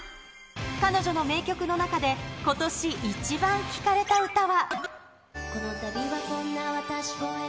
彼女の名曲の中で、今年イチバン聴かれた歌は。